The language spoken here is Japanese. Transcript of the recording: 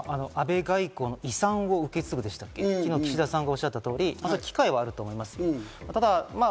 安倍外交の遺産を受け継ぐでしょうか、昨日、岸田さんがおっしゃったように機会はあると思います。